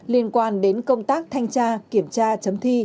liên quan đến công tác thanh tra kiểm tra